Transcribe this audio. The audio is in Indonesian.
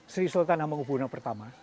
sri sultan hamengkubwono i